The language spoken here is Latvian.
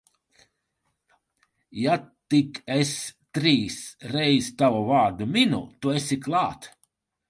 Ja tik es trīs reiz tavu vārdu minu, tu esi klāt.